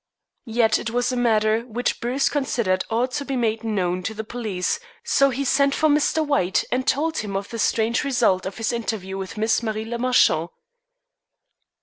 Yet it was a matter which Bruce considered ought to be made known to the police, so he sent for Mr. White and told him of the strange result of his interview with Miss Marie le Marchant.